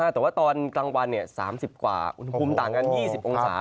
แต่ว่าตอนกลางวัน๓๐กว่าอุณหภูมิต่างกัน๒๐องศา